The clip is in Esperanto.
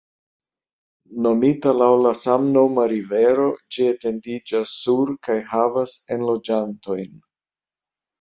Nomita laŭ la samnoma rivero, ĝi etendiĝas sur kaj havas enloĝantojn.